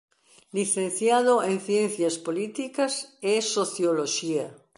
Licenciado en Ciencias Políticas e Socioloxía.